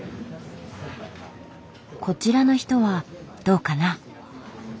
こちらの人はどうかな。